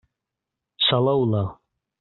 Saleu-la.